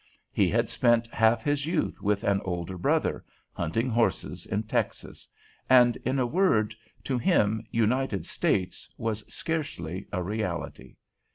He had spent half his youth with an older brother, hunting horses in Texas; and, in a word, to him "United States" was scarcely a reality.